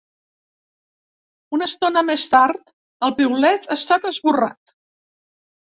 Una estona més tard, el piulet ha estat esborrat.